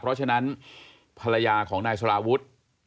เพราะฉะนั้นภรรยาของนายสลาวุฒิ